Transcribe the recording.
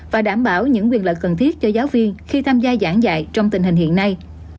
và đảm bảo những quyền lợi cần thiết cho giáo viên khi tham gia giảng dạy trong tình hình hiện nay